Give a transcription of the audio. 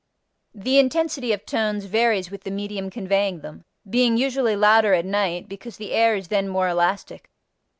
The intensity of tones varies with the medium conveying them, being usually louder at night because the air is then more elastic.